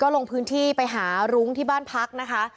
ลงพื้นที่ไปหารุ้งที่บ้านพักนะคะ